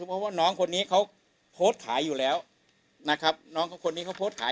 เพราะว่าน้องคนนี้เขาโพสต์ขายอยู่แล้วนะครับน้องเขาคนนี้เขาโพสต์ขาย